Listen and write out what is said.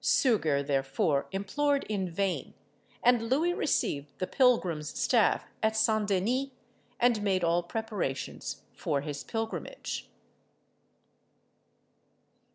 Suger, therefore, implored in vain, and Louis received the pilgrim's staff at St. Denis, and made all preparations for his pilgrimage.